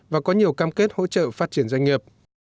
và có nhiều cam kết hỗ trợ phát triển doanh nghiệp